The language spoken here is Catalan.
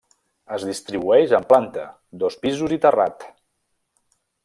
Es distribueix en planta, dos pisos i terrat.